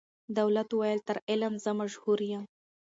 دولت وویل تر علم زه مشهور یم